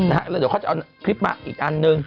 แล้วเดี๋ยวเขาจะเอาคลิปมาอีกอันนึง